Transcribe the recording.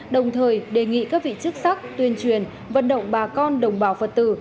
đồng thời đề nghị các vị chức sắc tuyên truyền vận động bà con đồng bào phật tử